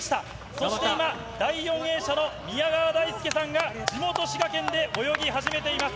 そして今、第４泳者の宮川大輔さんが地元、滋賀県で泳ぎ始めています。